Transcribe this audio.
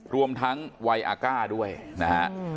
รวมทั้งวัยอาก้าด้วยนะฮะ